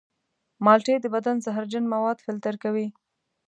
مالټې د بدن زهرجن مواد فلتر کوي.